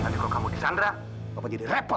jika kamu disandar saya akan menjadi repot